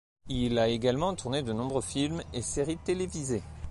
Il a également tourné de nombreux films et séries télévisées.